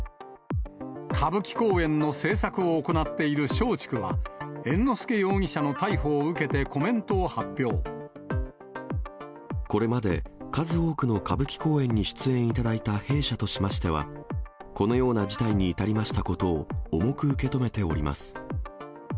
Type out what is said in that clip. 歌舞伎公演の制作を行っている松竹は、猿之助容疑者の逮捕を受けこれまで数多くの歌舞伎公演に出演いただいた弊社としましては、このような事態に至りましたことを重く受け止めております。